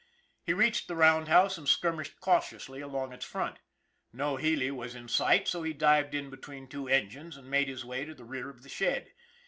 He reached the roundhouse and skirmished cautiously along its front. No Healy was in sight, so he dived in between two engines and made his way to the rear of the shed.